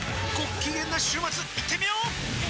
きげんな週末いってみよー！